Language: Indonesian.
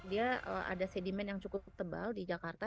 dia ada sedimen yang cukup tebal di jakarta